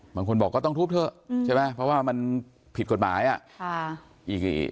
บางคนบอกต้องทุบเถอะเพราะว่ามันผิดกฎหมายอ่ะ